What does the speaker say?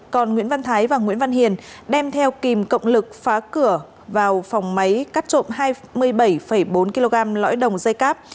còn nguyễn văn thái và nguyễn văn hiền đem theo kìm cộng lực phá cửa vào phòng máy cắt trộm hai mươi bảy bốn kg lõi đồng dây cáp